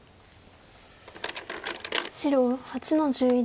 白８の十一。